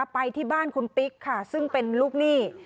ไปที่บ้านคุณติ๊กค่ะซึ่งเป็นลูกหนี้